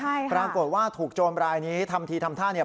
ใช่ค่ะปรากฏว่าถูกโจรรายนี้ทำทีทำท่าเนี่ย